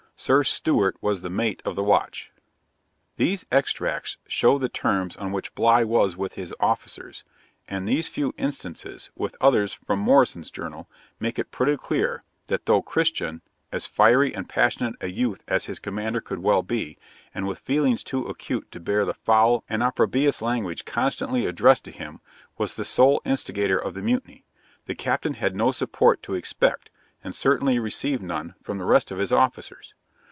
Sir. Stewart was the mate of the watch.' These extracts show the terms on which Bligh was with his officers; and these few instances, with others from Morrison's Journal, make it pretty clear, that though Christian, as fiery and passionate a youth as his commander could well be, and with feelings too acute to bear the foul and opprobious language constantly addressed to him, was the sole instigator of the mutiny; the captain had no support to expect, and certainly received none, from the rest of his officers.